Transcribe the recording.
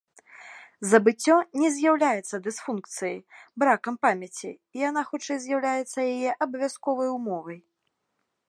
Забыццё не з'яўляецца дысфункцыяй, бракам памяці, яна хутчэй з'яўляецца яе абавязковай умовай.